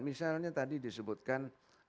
misalnya tadi disebutkan